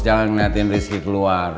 jangan ngeliatin rizky keluar